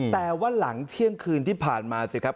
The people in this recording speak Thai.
แต่ว่าหลังเที่ยงคืนที่ผ่านมาสิครับ